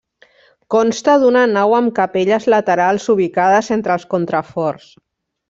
Consta d'una nau amb capelles laterals ubicades entre els contraforts.